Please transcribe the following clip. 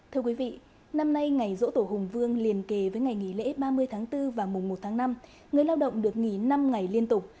thưa quý vị năm nay ngày dỗ tổ hùng vương liền kề với ngày nghỉ lễ ba mươi tháng bốn và mùng một tháng năm người lao động được nghỉ năm ngày liên tục